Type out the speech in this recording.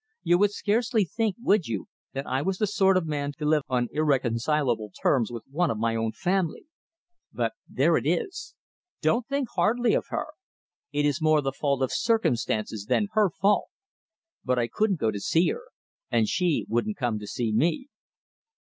"You would scarcely think, would you, that I was the sort of man to live on irreconcilable terms with one of my own family? But there it is. Don't think hardly of her. It is more the fault of circumstances than her fault. But I couldn't go to see her and she wouldn't come to see me."